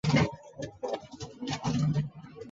千叶阿尔泰狗娃花为菊科狗哇花属下的一个变种。